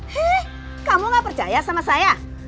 hei kamu gak percaya sama saya